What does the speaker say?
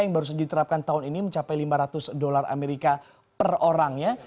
yang baru saja diterapkan tahun ini mencapai lima ratus dolar amerika per orangnya